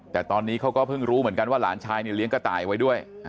แต่ตอนนี้เขาก็เพิ่งรู้เหมือนกันว่าหลานชายเนี่ยเลี้ยงกระต่ายไว้ด้วย